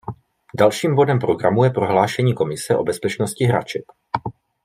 Dalším bodem programu je prohlášení Komise o bezpečnosti hraček.